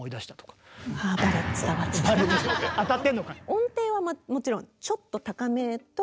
音程はもちろんちょっと高めと。